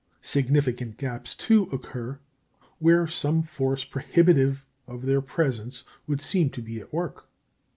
Significant gaps, too, occur where some force prohibitive of their presence would seem to be at work.